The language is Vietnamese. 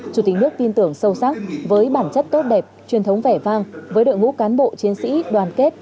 chủ tịch nước tin tưởng sâu sắc với bản chất tốt đẹp truyền thống vẻ vang với đội ngũ cán bộ chiến sĩ đoàn kết